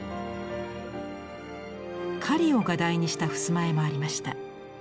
狩りを画題にした襖絵もありました。